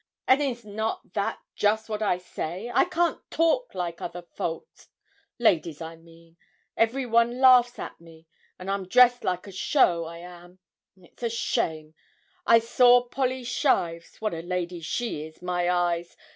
'And is not that just what I say I can't talk like other folk ladies, I mean. Every one laughs at me; an' I'm dressed like a show, I am. It's a shame! I saw Polly Shives what a lady she is, my eyes!